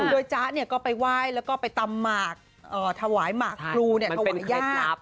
โดยจ๊ะก็ไปไหว้แล้วก็ไปตำหมากถวายหมากครูถวายย่า